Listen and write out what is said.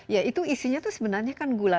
ya itu isinya itu sebenarnya kan gula